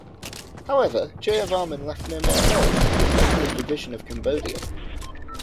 However, Jayavarman left no male heirs, which led to the division of Cambodia.